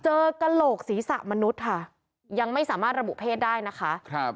กระโหลกศีรษะมนุษย์ค่ะยังไม่สามารถระบุเพศได้นะคะครับ